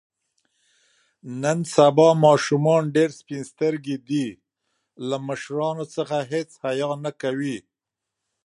نن سبا ماشومان ډېر سپین سترګي دي. له مشرانو څخه هېڅ حیا نه کوي.